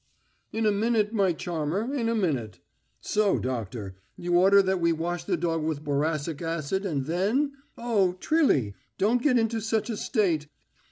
"In a minute, my charmer, in a minute. So, doctor, you order that we wash the dog with boracic acid, and then.... Oh, Trilly, don't get into such a state!